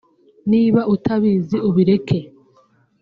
Niba utabizi ubireke